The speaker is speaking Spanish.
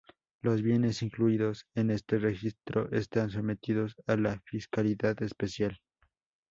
Los bienes incluidos en este registro están sometidos a una fiscalidad especial.